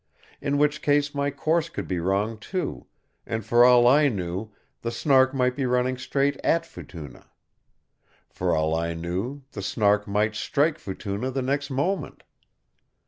In which case my course would be wrong, too, and for all I knew the Snark might be running straight at Futuna. For all I knew the Snark might strike Futuna the next moment.